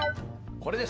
これです。